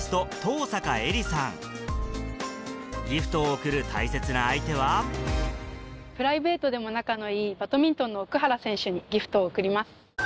ギフトを贈る大切な相手はプライベートでも仲のいいバドミントンの奥原選手にギフトを贈ります。